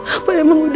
apa emang udah